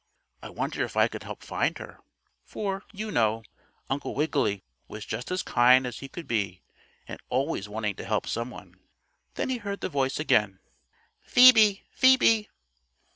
"I wonder if I could help find her?" For, you know, Uncle Wiggily was just as kind as he could be, and always wanting to help some one. Then he heard the voice again: "Phoebe! Phoebe!"